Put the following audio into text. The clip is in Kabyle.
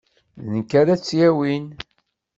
D nekk ara tt-yawin.